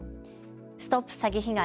ＳＴＯＰ詐欺被害！